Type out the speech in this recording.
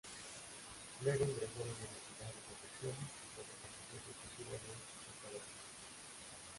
Luego ingresó a la Universidad de Concepción, donde consiguió su título de psicóloga.